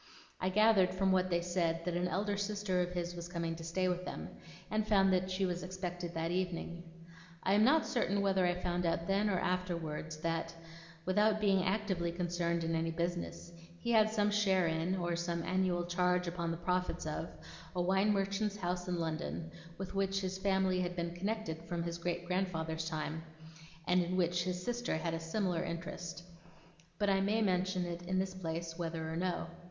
I gathered from what they said, that an elder sister of his was coming to stay with them, and that she was expected that evening. I am not certain whether I found out then, or afterwards, that, without being actively concerned in any business, he had some share in, or some annual charge upon the profits of, a wine merchant's house in London, with which his family had been connected from his great grandfather's time, and in which his sister had a similar interest; but I may mention it in this place, whether or no.